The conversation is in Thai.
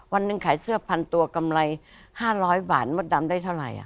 วันหนึ่งขายเสื้อพันตัวกำไร๕๐๐บาทมดดำได้เท่าไหร่